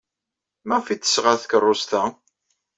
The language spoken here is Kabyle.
Maɣef ay d-tesɣa takeṛṛust-a?